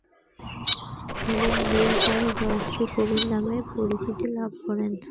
এবং বিয়ের পরে জয়শ্রী কবির নামে পরিচিতি লাভ করেন।